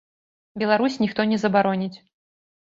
Беларусь, ніхто не забароніць.